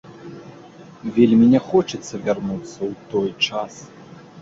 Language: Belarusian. Вельмі не хочацца вярнуцца ў той час.